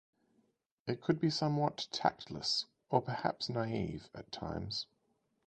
It could be somewhat tactless, or perhaps naive, at times.